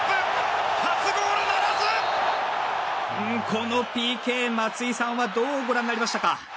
このＰＫ、松井さんはどうご覧になりましたか？